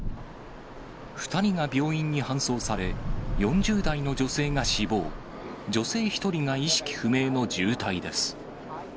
２人が病院に搬送され、４０代の女性が死亡、女性１人が意識不明の重体です。